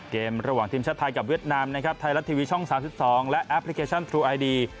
ระหว่างทีมชาติไทยกับเวียดนามนะครับไทยรัฐทีวีช่อง๓๒และแอปพลิเคชันทรูไอดี